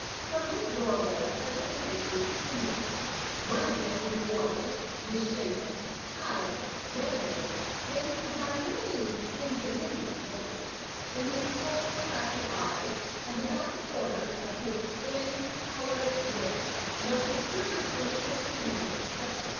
From this doorway presently issued two men. One of them was dwarfish, misshapen, pallid, red haired, yet he was by no means insignificant looking ; in his cold crafty eyes and about the corners of his thin colorless lips lurked a curiously inhuman expression.